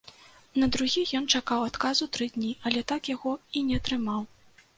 На другі ён чакаў адказу тры дні, але так яго і не атрымаў.